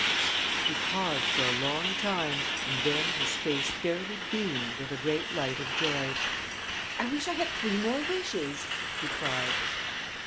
He paused for a long time, and then his face fairly beamed with a great light of joy. "I wish I had three more wishes!" he cried.